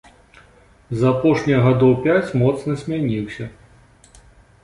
За апошнія гадоў пяць моцна змяніўся.